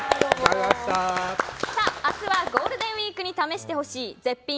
明日は、ゴールデンウィークに試してほしい絶品！